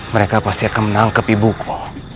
mereka pasti akan menangkap ibuku